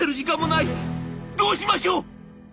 どうしましょう！」。